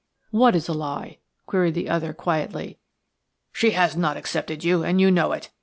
"What is a lie?" queried the other, quietly. "She has not accepted you–and you know it.